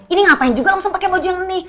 ini ngapain juga langsung pake baju yang ini